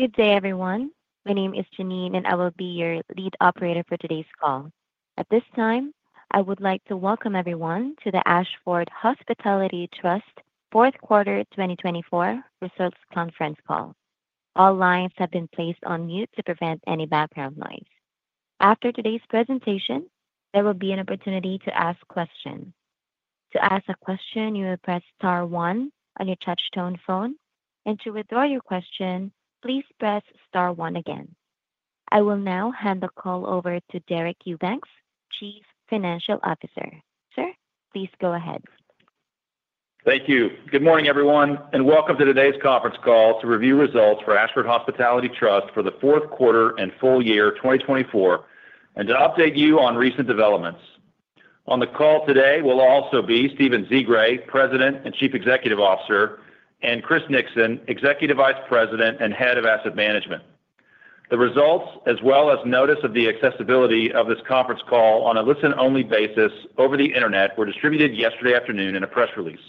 Good day, everyone. My name is Janine, and I will be your lead operator for today's call. At this time, I would like to welcome everyone to the Ashford Hospitality Trust Fourth Quarter 2024 Results Conference Call. All lines have been placed on mute to prevent any background noise. After today's presentation, there will be an opportunity to ask questions. To ask a question, you will press Star 1 on your touch-tone phone, and to withdraw your question, please press Star 1 again. I will now hand the call over to Deric Eubanks, Chief Financial Officer. Sir, please go ahead. Thank you. Good morning, everyone, and welcome to today's conference call to review results for Ashford Hospitality Trust for the fourth quarter and full year 2024, and to update you on recent developments. On the call today will also be Stephen Zsigray, President and Chief Executive Officer, and Chris Nixon, Executive Vice President and Head of Asset Management. The results, as well as notice of the accessibility of this conference call on a listen-only basis over the internet, were distributed yesterday afternoon in a press release.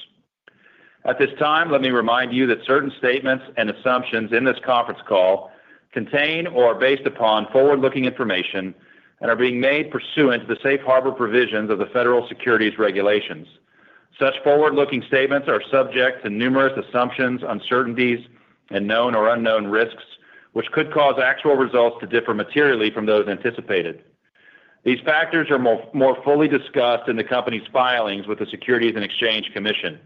At this time, let me remind you that certain statements and assumptions in this conference call contain or are based upon forward-looking information and are being made pursuant to the safe harbor provisions of the federal securities regulations. Such forward-looking statements are subject to numerous assumptions, uncertainties, and known or unknown risks, which could cause actual results to differ materially from those anticipated. These factors are more fully discussed in the company's filings with the Securities and Exchange Commission.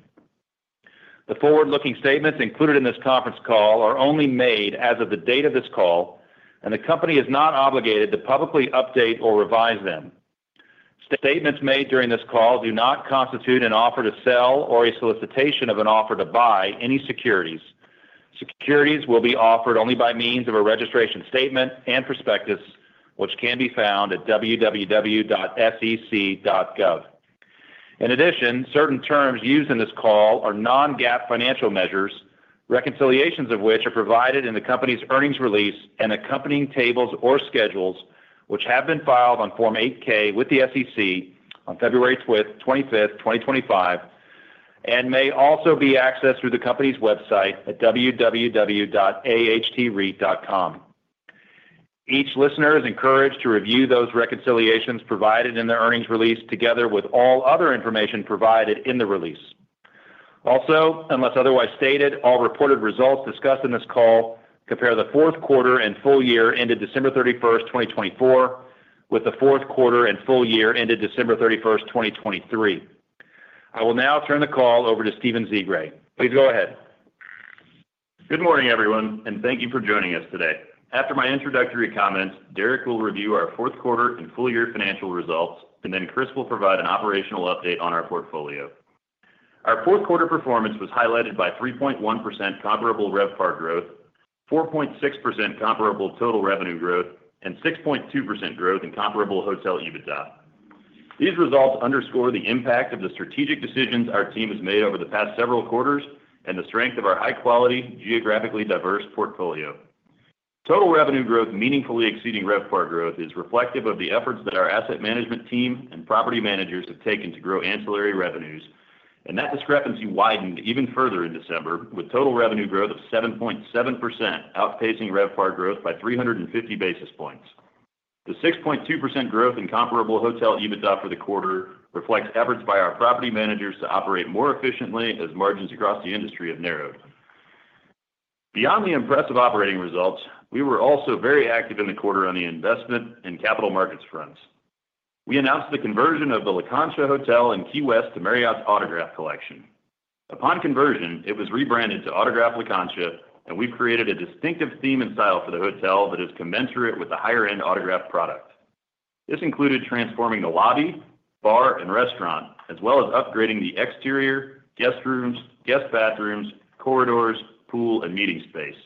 The forward-looking statements included in this conference call are only made as of the date of this call, and the company is not obligated to publicly update or revise them. Statements made during this call do not constitute an offer to sell or a solicitation of an offer to buy any securities. Securities will be offered only by means of a registration statement and prospectus, which can be found at www.sec.gov. In addition, certain terms used in this call are non-GAAP financial measures, reconciliations of which are provided in the company's earnings release and accompanying tables or schedules, which have been filed on Form 8-K with the SEC on February 25, 2025, and may also be accessed through the company's website at www.ahtre.com. Each listener is encouraged to review those reconciliations provided in the earnings release together with all other information provided in the release. Also, unless otherwise stated, all reported results discussed in this call compare the fourth quarter and full year ended December 31, 2024, with the fourth quarter and full year ended December 31, 2023. I will now turn the call over to Stephen Zsigray. Please go ahead. Good morning, everyone, and thank you for joining us today. After my introductory comments, Deric will review our fourth quarter and full year financial results, and then Chris will provide an operational update on our portfolio. Our fourth quarter performance was highlighted by 3.1% comparable RevPAR growth, 4.6% comparable total revenue growth, and 6.2% growth in comparable hotel EBITDA. These results underscore the impact of the strategic decisions our team has made over the past several quarters and the strength of our high-quality, geographically diverse portfolio. Total revenue growth meaningfully exceeding RevPAR growth is reflective of the efforts that our asset management team and property managers have taken to grow ancillary revenues, and that discrepancy widened even further in December, with total revenue growth of 7.7% outpacing RevPAR growth by 350 basis points. The 6.2% growth in comparable hotel EBITDA for the quarter reflects efforts by our property managers to operate more efficiently as margins across the industry have narrowed. Beyond the impressive operating results, we were also very active in the quarter on the investment and capital markets fronts. We announced the conversion of the La Concha Hotel in Key West to Marriott's Autograph Collection. Upon conversion, it was rebranded to Autograph La Concha, and we've created a distinctive theme and style for the hotel that is commensurate with the higher-end Autograph product. This included transforming the lobby, bar, and restaurant, as well as upgrading the exterior, guest rooms, guest bathrooms, corridors, pool, and meeting space.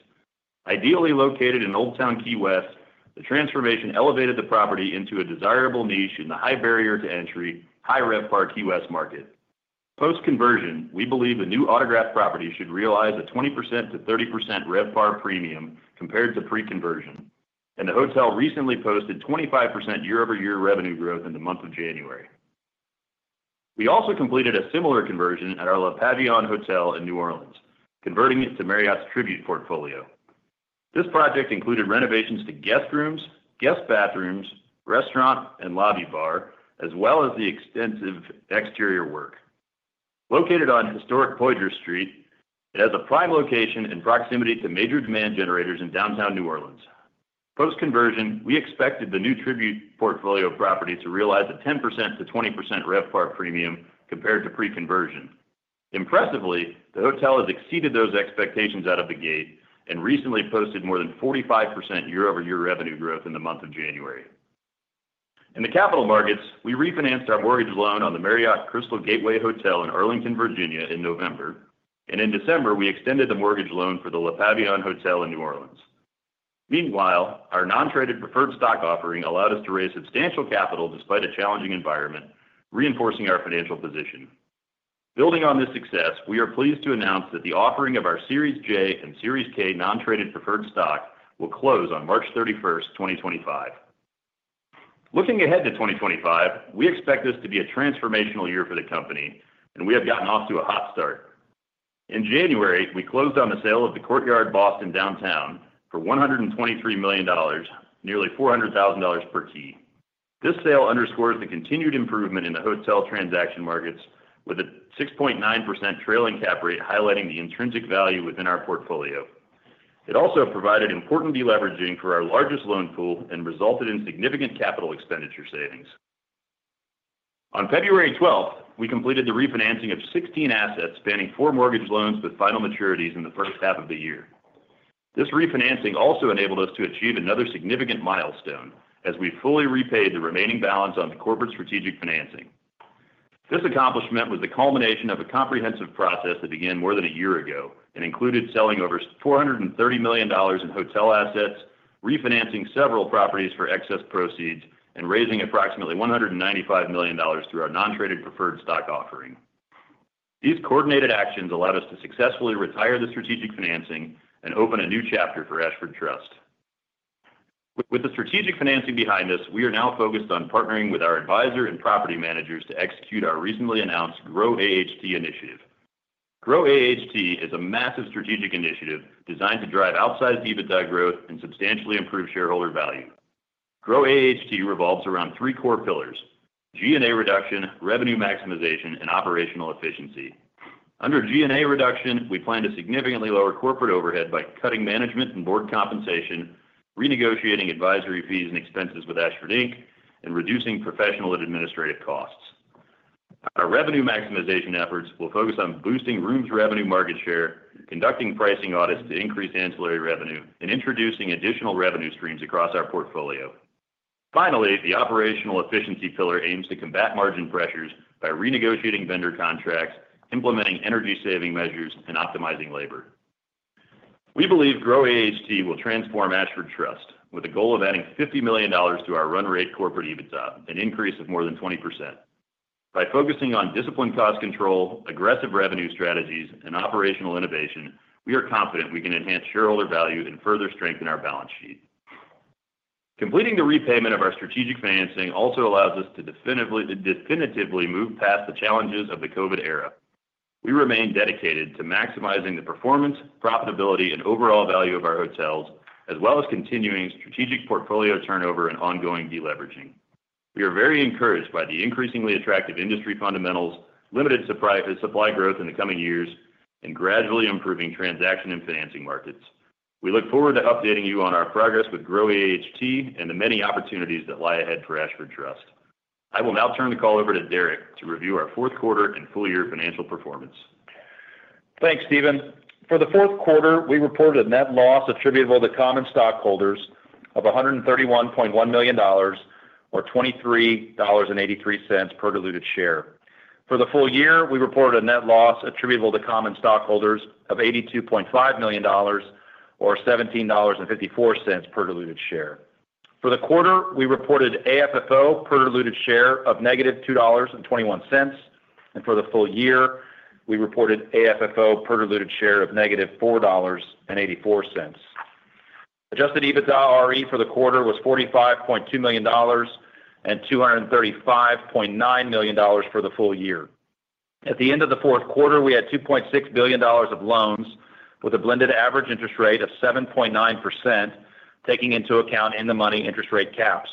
Ideally located in Old Town Key West, the transformation elevated the property into a desirable niche in the high barrier to entry, high RevPAR Key West market. Post-conversion, we believe the new Autograph property should realize a 20%-30% RevPAR premium compared to pre-conversion, and the hotel recently posted 25% year-over-year revenue growth in the month of January. We also completed a similar conversion at our La Pavillon Hotel in New Orleans, converting it to Marriott's Tribute Portfolio. This project included renovations to guest rooms, guest bathrooms, restaurant, and lobby bar, as well as the extensive exterior work. Located on Historic Poitras Street, it has a prime location in proximity to major demand generators in downtown New Orleans. Post-conversion, we expected the new Tribute Portfolio property to realize a 10%-20% RevPAR premium compared to pre-conversion. Impressively, the hotel has exceeded those expectations out of the gate and recently posted more than 45% year-over-year revenue growth in the month of January. In the capital markets, we refinanced our mortgage loan on the Marriott Crystal Gateway Hotel in Arlington, Virginia, in November, and in December, we extended the mortgage loan for the La Pavillon Hotel in New Orleans. Meanwhile, our non-traded preferred stock offering allowed us to raise substantial capital despite a challenging environment, reinforcing our financial position. Building on this success, we are pleased to announce that the offering of our Series J and Series K non-traded preferred stock will close on March 31, 2025. Looking ahead to 2025, we expect this to be a transformational year for the company, and we have gotten off to a hot start. In January, we closed on the sale of the Courtyard Boston Downtown for $123 million, nearly $400,000 per key. This sale underscores the continued improvement in the hotel transaction markets, with a 6.9% trailing cap rate highlighting the intrinsic value within our portfolio. It also provided important deleveraging for our largest loan pool and resulted in significant capital expenditure savings. On February 12th, we completed the refinancing of 16 assets spanning four mortgage loans with final maturities in the first half of the year. This refinancing also enabled us to achieve another significant milestone as we fully repaid the remaining balance on the corporate strategic financing. This accomplishment was the culmination of a comprehensive process that began more than a year ago and included selling over $430 million in hotel assets, refinancing several properties for excess proceeds, and raising approximately $195 million through our non-traded preferred stock offering. These coordinated actions allowed us to successfully retire the strategic financing and open a new chapter for Ashford Trust. With the strategic financing behind us, we are now focused on partnering with our advisor and property managers to execute our recently announced Grow AHT initiative. Grow AHT is a massive strategic initiative designed to drive outsized EBITDA growth and substantially improve shareholder value. Grow AHT revolves around three core pillars: G&A reduction, revenue maximization, and operational efficiency. Under G&A reduction, we plan to significantly lower corporate overhead by cutting management and board compensation, renegotiating advisory fees and expenses with Ashford Inc., and reducing professional and administrative costs. Our revenue maximization efforts will focus on boosting rooms revenue market share, conducting pricing audits to increase ancillary revenue, and introducing additional revenue streams across our portfolio. Finally, the operational efficiency pillar aims to combat margin pressures by renegotiating vendor contracts, implementing energy-saving measures, and optimizing labor. We believe Grow AHT will transform Ashford Hospitality Trust with a goal of adding $50 million to our run rate corporate EBITDA, an increase of more than 20%. By focusing on disciplined cost control, aggressive revenue strategies, and operational innovation, we are confident we can enhance shareholder value and further strengthen our balance sheet. Completing the repayment of our strategic financing also allows us to definitively move past the challenges of the COVID era. We remain dedicated to maximizing the performance, profitability, and overall value of our hotels, as well as continuing strategic portfolio turnover and ongoing deleveraging. We are very encouraged by the increasingly attractive industry fundamentals, limited supply growth in the coming years, and gradually improving transaction and financing markets. We look forward to updating you on our progress with Grow AHT and the many opportunities that lie ahead for Ashford Hospitality Trust. I will now turn the call over to Deric to review our fourth quarter and full year financial performance. Thanks, Stephen. For the fourth quarter, we reported a net loss attributable to common stockholders of $131.1 million, or $23.83 per diluted share. For the full year, we reported a net loss attributable to common stockholders of $82.5 million, or $17.54 per diluted share. For the quarter, we reported AFFO per diluted share of negative $2.21, and for the full year, we reported AFFO per diluted share of negative $4.84. Adjusted EBITDAre for the quarter was $45.2 million and $235.9 million for the full year. At the end of the fourth quarter, we had $2.6 billion of loans with a blended average interest rate of 7.9%, taking into account in-the-money interest rate caps.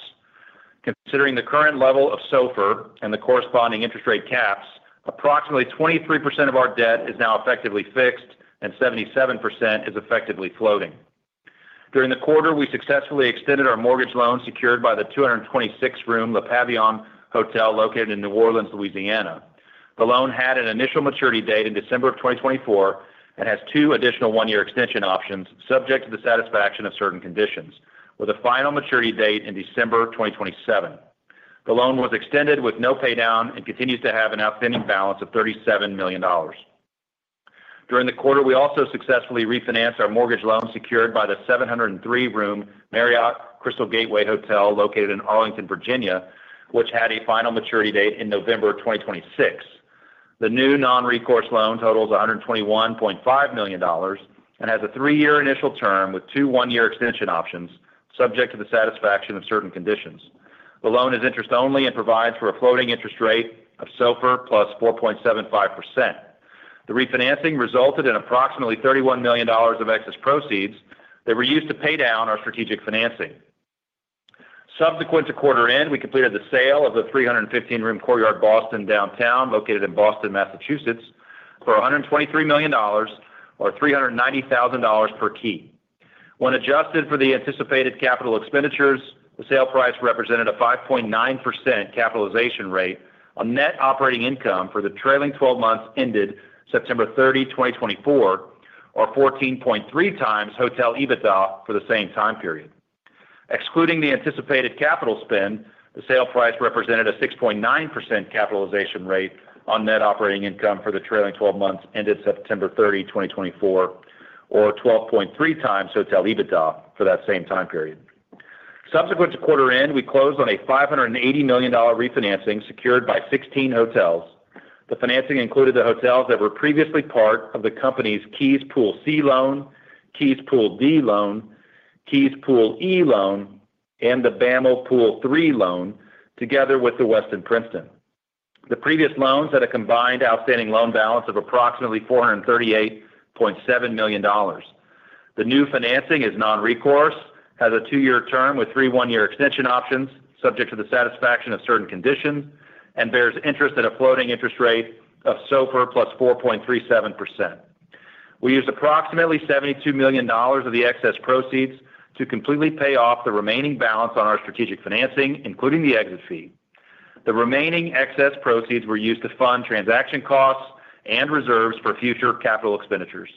Considering the current level of SOFR and the corresponding interest rate caps, approximately 23% of our debt is now effectively fixed and 77% is effectively floating. During the quarter, we successfully extended our mortgage loan secured by the 226-room La Pavillon Hotel located in New Orleans, Louisiana. The loan had an initial maturity date in December 2024 and has two additional one-year extension options subject to the satisfaction of certain conditions, with a final maturity date in December 2027. The loan was extended with no paydown and continues to have an outstanding balance of $37 million. During the quarter, we also successfully refinanced our mortgage loan secured by the 703-room Marriott Crystal Gateway Hotel located in Arlington, Virginia, which had a final maturity date in November 2026. The new non-recourse loan totals $121.5 million and has a three-year initial term with two one-year extension options subject to the satisfaction of certain conditions. The loan is interest-only and provides for a floating interest rate of SOFR plus 4.75%. The refinancing resulted in approximately $31 million of excess proceeds that were used to pay down our strategic financing. Subsequent to quarter end, we completed the sale of the 315-room Courtyard Boston Downtown located in Boston, Massachusetts, for $123 million, or $390,000 per key. When adjusted for the anticipated capital expenditures, the sale price represented a 5.9% capitalization rate on net operating income for the trailing 12 months ended September 30, 2024, or 14.3 times hotel EBITDA for the same time period. Excluding the anticipated capital spend, the sale price represented a 6.9% capitalization rate on net operating income for the trailing 12 months ended September 30, 2024, or 12.3 times hotel EBITDA for that same time period. Subsequent to quarter end, we closed on a $580 million refinancing secured by 16 hotels. The financing included the hotels that were previously part of the company's Keys Pool C loan, Keys Pool D loan, Keys Pool E loan, and the Bammel Pool 3 loan, together with the Weston Princeton. The previous loans had a combined outstanding loan balance of approximately $438.7 million. The new financing is non-recourse, has a two-year term with three one-year extension options subject to the satisfaction of certain conditions, and bears interest at a floating interest rate of SOFR plus 4.37%. We used approximately $72 million of the excess proceeds to completely pay off the remaining balance on our strategic financing, including the exit fee. The remaining excess proceeds were used to fund transaction costs and reserves for future capital expenditures.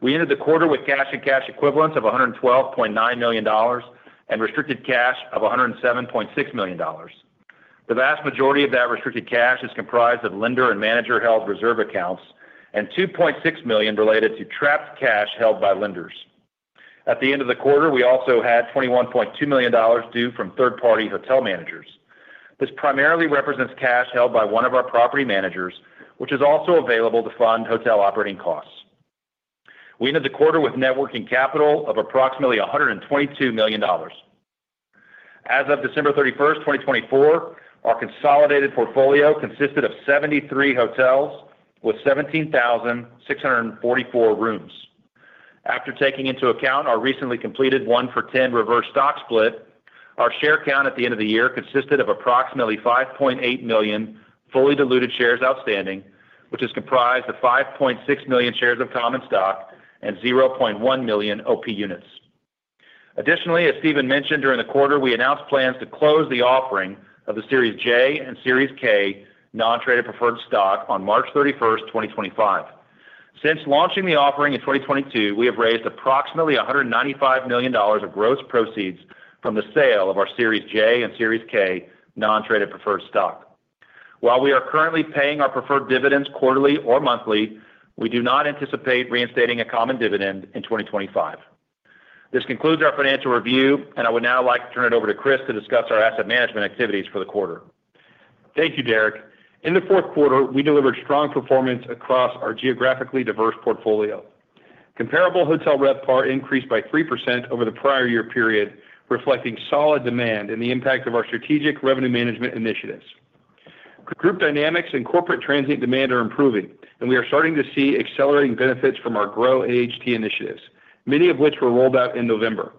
We ended the quarter with cash and cash equivalents of $112.9 million and restricted cash of $107.6 million. The vast majority of that restricted cash is comprised of lender and manager-held reserve accounts and $2.6 million related to trapped cash held by lenders. At the end of the quarter, we also had $21.2 million due from third-party hotel managers. This primarily represents cash held by one of our property managers, which is also available to fund hotel operating costs. We ended the quarter with networking capital of approximately $122 million. As of December 31, 2024, our consolidated portfolio consisted of 73 hotels with 17,644 rooms. After taking into account our recently completed one-for-ten reverse stock split, our share count at the end of the year consisted of approximately 5.8 million fully diluted shares outstanding, which is comprised of 5.6 million shares of common stock and 0.1 million OP units. Additionally, as Stephen mentioned, during the quarter, we announced plans to close the offering of the Series J and Series K non-traded preferred stock on March 31, 2025. Since launching the offering in 2022, we have raised approximately $195 million of gross proceeds from the sale of our Series J and Series K non-traded preferred stock. While we are currently paying our preferred dividends quarterly or monthly, we do not anticipate reinstating a common dividend in 2025. This concludes our financial review, and I would now like to turn it over to Chris to discuss our asset management activities for the quarter. Thank you, Deric. In the fourth quarter, we delivered strong performance across our geographically diverse portfolio. Comparable hotel RevPAR increased by 3% over the prior year period, reflecting solid demand and the impact of our strategic revenue management initiatives. Group dynamics and corporate transient demand are improving, and we are starting to see accelerating benefits from our Grow AHT initiatives, many of which were rolled out in November.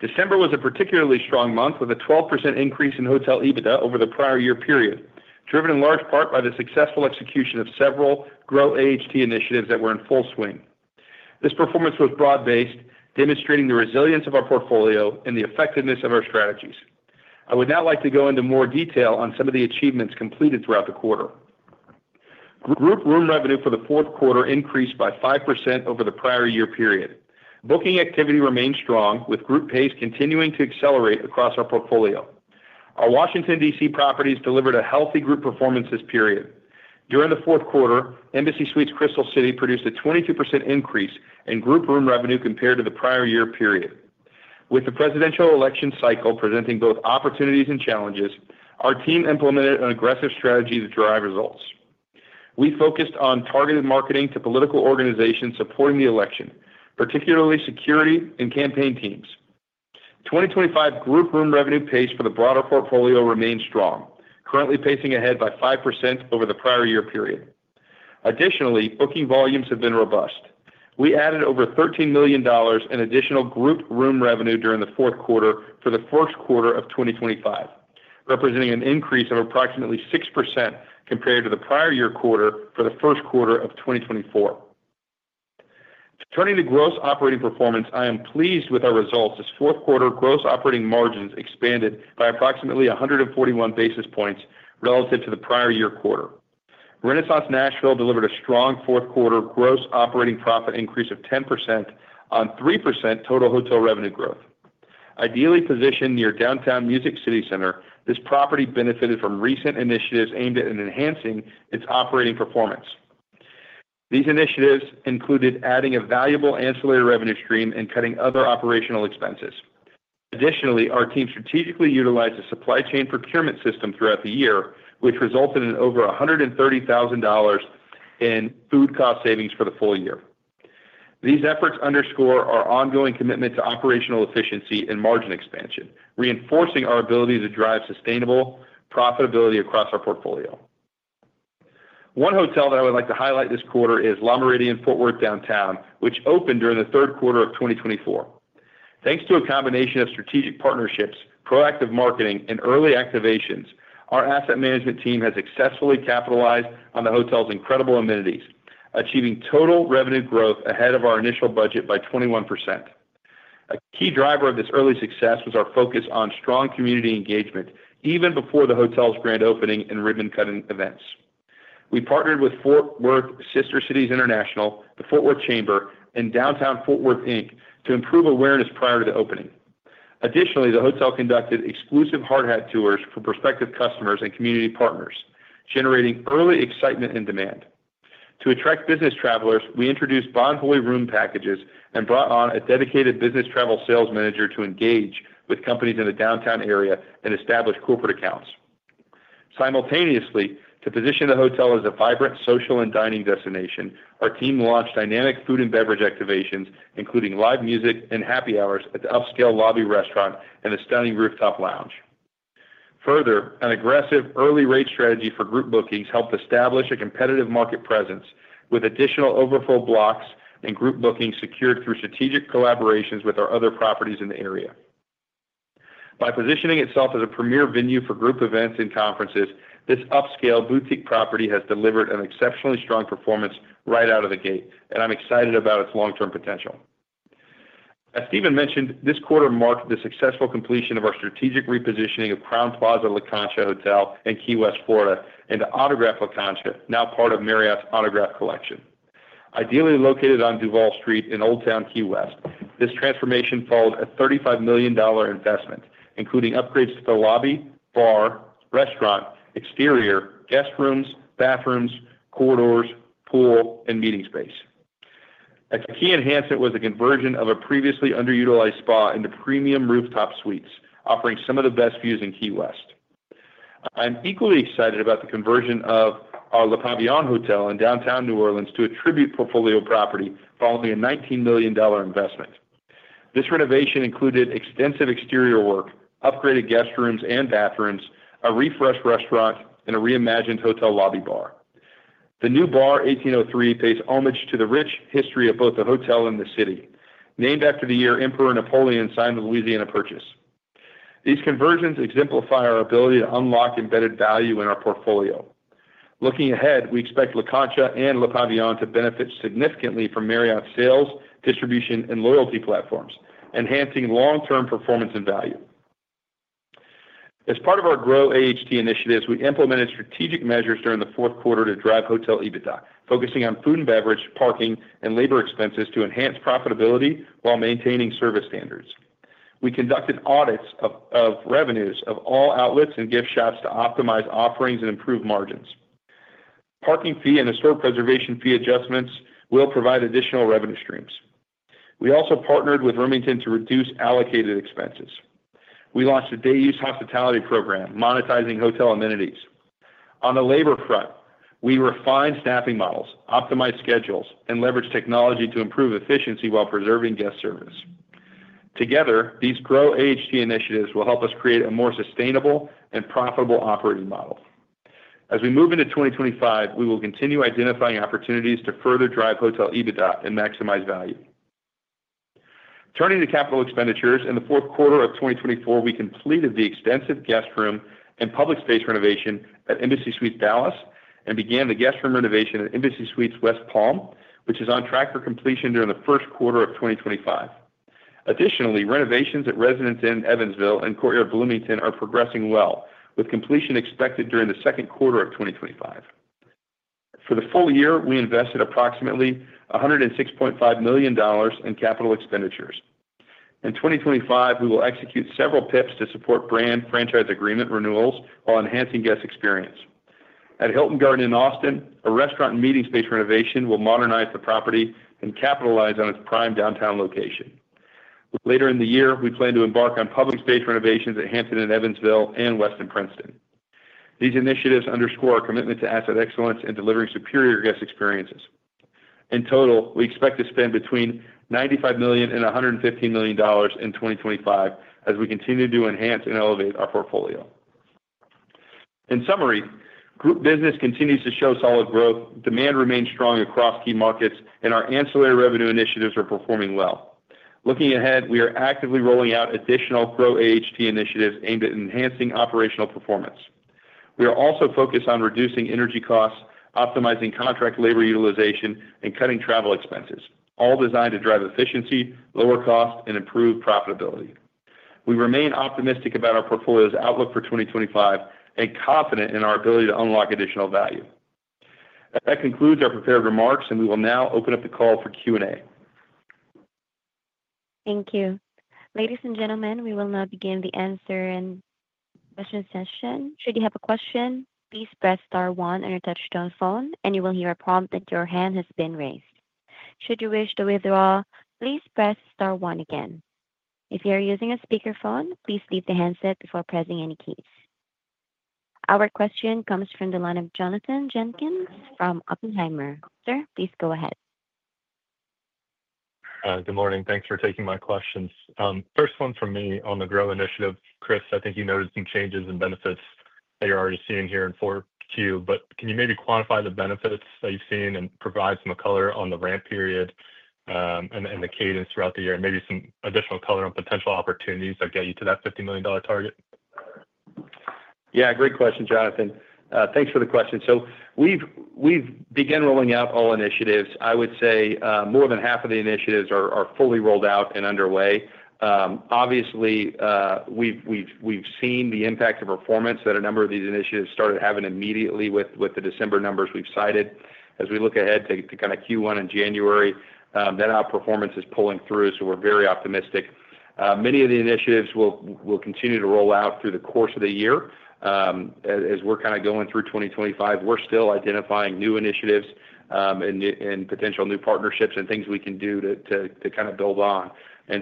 December was a particularly strong month with a 12% increase in hotel EBITDA over the prior year period, driven in large part by the successful execution of several Grow AHT initiatives that were in full swing. This performance was broad-based, demonstrating the resilience of our portfolio and the effectiveness of our strategies. I would now like to go into more detail on some of the achievements completed throughout the quarter. Group room revenue for the fourth quarter increased by 5% over the prior year period. Booking activity remained strong, with group pace continuing to accelerate across our portfolio. Our Washington, D.C. properties delivered a healthy group performance this period. During the fourth quarter, Embassy Suites Crystal City produced a 22% increase in group room revenue compared to the prior year period. With the presidential election cycle presenting both opportunities and challenges, our team implemented an aggressive strategy to drive results. We focused on targeted marketing to political organizations supporting the election, particularly security and campaign teams. 2025 group room revenue pace for the broader portfolio remained strong, currently pacing ahead by 5% over the prior year period. Additionally, booking volumes have been robust. We added over $13 million in additional group room revenue during the fourth quarter for the first quarter of 2025, representing an increase of approximately 6% compared to the prior year quarter for the first quarter of 2024. Turning to gross operating performance, I am pleased with our results as fourth quarter gross operating margins expanded by approximately 141 basis points relative to the prior year quarter. Renaissance Nashville delivered a strong fourth quarter gross operating profit increase of 10% on 3% total hotel revenue growth. Ideally positioned near Downtown Music City Center, this property benefited from recent initiatives aimed at enhancing its operating performance. These initiatives included adding a valuable ancillary revenue stream and cutting other operational expenses. Additionally, our team strategically utilized a supply chain procurement system throughout the year, which resulted in over $130,000 in food cost savings for the full year. These efforts underscore our ongoing commitment to operational efficiency and margin expansion, reinforcing our ability to drive sustainable profitability across our portfolio. One hotel that I would like to highlight this quarter is Le Méridien Fort Worth Downtown, which opened during the third quarter of 2024. Thanks to a combination of strategic partnerships, proactive marketing, and early activations, our asset management team has successfully capitalized on the hotel's incredible amenities, achieving total revenue growth ahead of our initial budget by 21%. A key driver of this early success was our focus on strong community engagement even before the hotel's grand opening and ribbon-cutting events. We partnered with Fort Worth Sister Cities International, the Fort Worth Chamber, and Downtown Fort Worth Inc. to improve awareness prior to the opening. Additionally, the hotel conducted exclusive hardhat tours for prospective customers and community partners, generating early excitement and demand. To attract business travelers, we introduced Bonvoy Room Packages and brought on a dedicated business travel sales manager to engage with companies in the downtown area and establish corporate accounts. Simultaneously, to position the hotel as a vibrant social and dining destination, our team launched dynamic food and beverage activations, including live music and happy hours at the upscale lobby restaurant and the stunning rooftop lounge. Further, an aggressive early-rate strategy for group bookings helped establish a competitive market presence with additional overflow blocks and group bookings secured through strategic collaborations with our other properties in the area. By positioning itself as a premier venue for group events and conferences, this upscale boutique property has delivered an exceptionally strong performance right out of the gate, and I'm excited about its long-term potential. As Stephen mentioned, this quarter marked the successful completion of our strategic repositioning of Crowne Plaza La Concha Hotel in Key West, Florida, into Autograph La Concha, now part of Marriott's Autograph Collection. Ideally located on Duval Street in Old Town Key West, this transformation followed a $35 million investment, including upgrades to the lobby, bar, restaurant, exterior, guest rooms, bathrooms, corridors, pool, and meeting space. A key enhancement was the conversion of a previously underutilized spa into premium rooftop suites, offering some of the best views in Key West. I'm equally excited about the conversion of our La Pavillon Hotel in Downtown New Orleans to a Tribute Portfolio property following a $19 million investment. This renovation included extensive exterior work, upgraded guest rooms and bathrooms, a refreshed restaurant, and a reimagined hotel lobby bar. The new bar, 1803, pays homage to the rich history of both the hotel and the city, named after the year Emperor Napoleon signed the Louisiana Purchase. These conversions exemplify our ability to unlock embedded value in our portfolio. Looking ahead, we expect La Concha and La Pavillon to benefit significantly from Marriott's sales, distribution, and loyalty platforms, enhancing long-term performance and value. As part of our Grow AHT initiatives, we implemented strategic measures during the fourth quarter to drive hotel EBITDA, focusing on food and beverage, parking, and labor expenses to enhance profitability while maintaining service standards. We conducted audits of revenues of all outlets and gift shops to optimize offerings and improve margins. Parking fee and historic preservation fee adjustments will provide additional revenue streams. We also partnered with Remington to reduce allocated expenses. We launched a day-use hospitality program, monetizing hotel amenities. On the labor front, we refined staffing models, optimized schedules, and leveraged technology to improve efficiency while preserving guest service. Together, these Grow AHT initiatives will help us create a more sustainable and profitable operating model. As we move into 2025, we will continue identifying opportunities to further drive hotel EBITDA and maximize value. Turning to capital expenditures, in the fourth quarter of 2024, we completed the extensive guest room and public space renovation at Embassy Suites Dallas and began the guest room renovation at Embassy Suites West Palm, which is on track for completion during the first quarter of 2025. Additionally, renovations at Residence Inn Evansville and Courtyard Bloomington are progressing well, with completion expected during the second quarter of 2025. For the full year, we invested approximately $106.5 million in capital expenditures. In 2025, we will execute several PIPs to support brand franchise agreement renewals while enhancing guest experience. At Hilton Garden Inn Austin, a restaurant and meeting space renovation will modernize the property and capitalize on its prime downtown location. Later in the year, we plan to embark on public space renovations at Hampton in Evansville and Westin Princeton. These initiatives underscore our commitment to asset excellence and delivering superior guest experiences. In total, we expect to spend between $95 million and $115 million in 2025 as we continue to enhance and elevate our portfolio. In summary, group business continues to show solid growth, demand remains strong across key markets, and our ancillary revenue initiatives are performing well. Looking ahead, we are actively rolling out additional Grow AHT initiatives aimed at enhancing operational performance. We are also focused on reducing energy costs, optimizing contract labor utilization, and cutting travel expenses, all designed to drive efficiency, lower costs, and improve profitability. We remain optimistic about our portfolio's outlook for 2025 and confident in our ability to unlock additional value. That concludes our prepared remarks, and we will now open up the call for Q&A. Thank you. Ladies and gentlemen, we will now begin the question and answer session. Should you have a question, please press star one on your touch-tone phone, and you will hear a prompt that your hand has been raised. Should you wish to withdraw, please press star one again. If you are using a speakerphone, please lift the handset before pressing any keys. Our question comes from the line of Jonathan Jenkins from Oppenheimer. Sir, please go ahead. Good morning. Thanks for taking my questions. First one from me on the Grow AHT initiative. Chris, I think you noted some changes and benefits that you're already seeing here in Q4, but can you maybe quantify the benefits that you've seen and provide some color on the ramp period and the cadence throughout the year, and maybe some additional color on potential opportunities that get you to that $50 million target? Yeah, great question, Jonathan. Thanks for the question. We've begun rolling out all initiatives. I would say more than half of the initiatives are fully rolled out and underway. Obviously, we've seen the impact of performance that a number of these initiatives started having immediately with the December numbers we've cited. As we look ahead to kind of Q1 in January, that outperformance is pulling through, so we're very optimistic. Many of the initiatives will continue to roll out through the course of the year. As we're kind of going through 2025, we're still identifying new initiatives and potential new partnerships and things we can do to kind of build on. We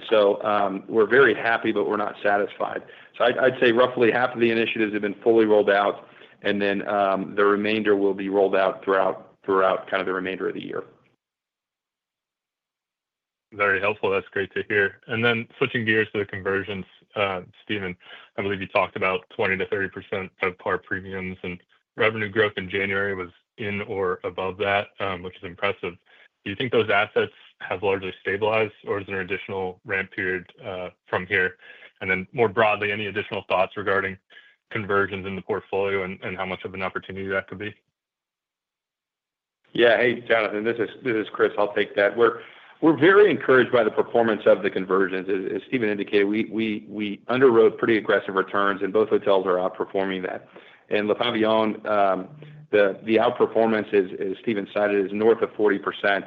are very happy, but we're not satisfied. I'd say roughly half of the initiatives have been fully rolled out, and then the remainder will be rolled out throughout kind of the remainder of the year. Very helpful. That's great to hear. Switching gears to the conversions, Stephen, I believe you talked about 20-30% of par premiums, and revenue growth in January was in or above that, which is impressive. Do you think those assets have largely stabilized, or is there an additional ramp period from here? More broadly, any additional thoughts regarding conversions in the portfolio and how much of an opportunity that could be? Yeah. Hey, Jonathan, this is Chris. I'll take that. We're very encouraged by the performance of the conversions. As Stephen indicated, we underwrote pretty aggressive returns, and both hotels are outperforming that. La Pavillon, the outperformance, as Stephen cited, is north of 40%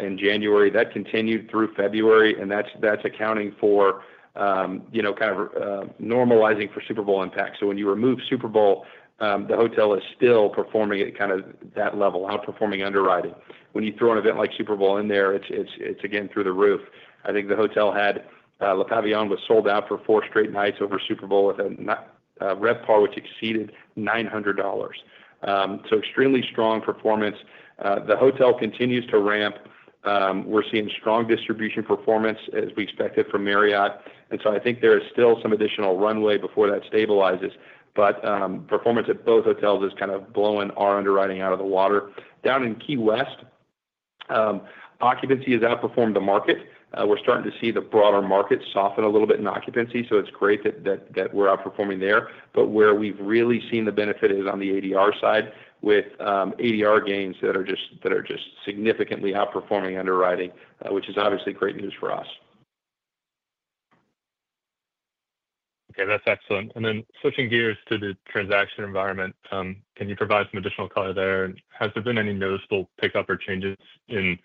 in January. That continued through February, and that's accounting for kind of normalizing for Super Bowl impact. When you remove Super Bowl, the hotel is still performing at kind of that level, outperforming underwriting. When you throw an event like Super Bowl in there, it's again through the roof. I think the hotel had La Pavillon was sold out for four straight nights over Super Bowl with a RevPAR, which exceeded $900. Extremely strong performance. The hotel continues to ramp. We're seeing strong distribution performance, as we expected, from Marriott. I think there is still some additional runway before that stabilizes, but performance at both hotels is kind of blowing our underwriting out of the water. Down in Key West, occupancy has outperformed the market. We're starting to see the broader market soften a little bit in occupancy, so it's great that we're outperforming there. Where we've really seen the benefit is on the ADR side, with ADR gains that are just significantly outperforming underwriting, which is obviously great news for us. Okay. That's excellent. Switching gears to the transaction environment, can you provide some additional color there? Has there been any noticeable pickup or changes in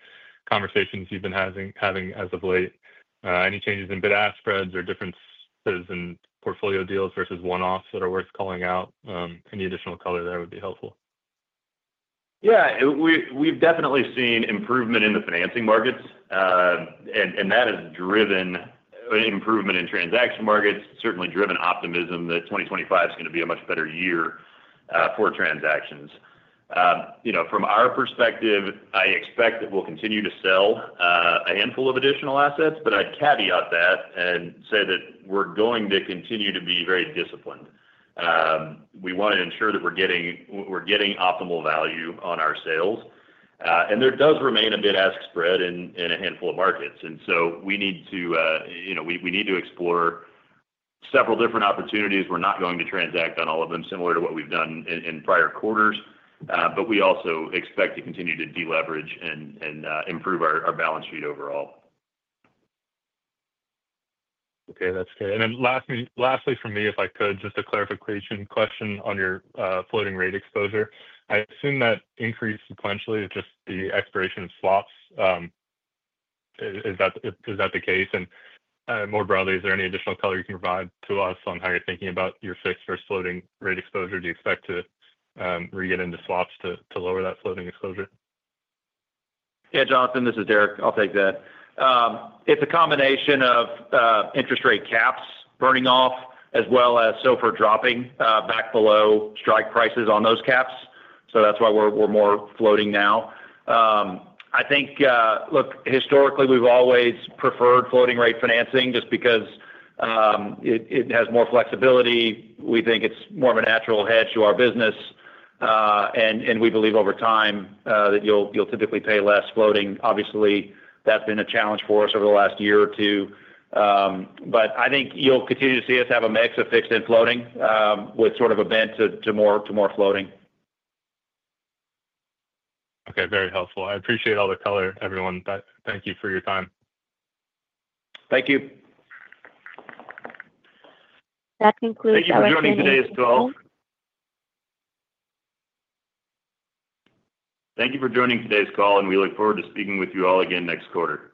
conversations you've been having as of late? Any changes in bid-ask spreads or differences in portfolio deals versus one-offs that are worth calling out? Any additional color there would be helpful. Yeah. We've definitely seen improvement in the financing markets, and that has driven improvement in transaction markets, certainly driven optimism that 2025 is going to be a much better year for transactions. From our perspective, I expect that we'll continue to sell a handful of additional assets, but I'd caveat that and say that we're going to continue to be very disciplined. We want to ensure that we're getting optimal value on our sales. There does remain a bid-ask spread in a handful of markets. We need to explore several different opportunities. We're not going to transact on all of them, similar to what we've done in prior quarters, but we also expect to continue to deleverage and improve our balance sheet overall. Okay. That's good. Lastly from me, if I could, just a clarification question on your floating rate exposure. I assume that increase sequentially is just the expiration of swaps. Is that the case? More broadly, is there any additional color you can provide to us on how you're thinking about your fixed versus floating rate exposure? Do you expect to re-get into swaps to lower that floating exposure? Yeah, Jonathan, this is Deric. I'll take that. It's a combination of interest rate caps burning off, as well as SOFR dropping back below strike prices on those caps. That's why we're more floating now. I think, look, historically, we've always preferred floating rate financing just because it has more flexibility. We think it's more of a natural hedge to our business, and we believe over time that you'll typically pay less floating. Obviously, that's been a challenge for us over the last year or two. I think you'll continue to see us have a mix of fixed and floating with sort of a bend to more floating. Okay. Very helpful. I appreciate all the color, everyone. Thank you for your time. Thank you. That concludes our report. Thank you for joining today's call. Thank you for joining today's call, and we look forward to speaking with you all again next quarter.